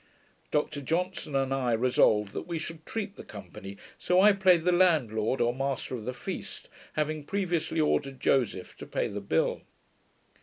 Dr Johnson and I resolved that we should treat the company, so I played the landlord, or master of the feast, having previously ordered Joseph to pay the bill.